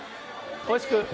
おいしく？